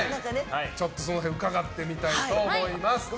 その辺、伺ってみたいと思います。